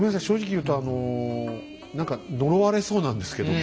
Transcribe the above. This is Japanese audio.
正直言うとあの何か呪われそうなんですけども。